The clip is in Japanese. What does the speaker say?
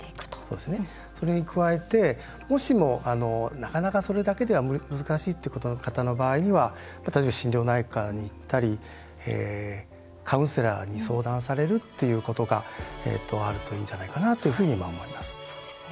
それに加えてもしも、なかなかそれだけでは難しいって方は例えば心療内科に行ったりカウンセラーに相談されるっていうことがあるといいんじゃないかなと思います。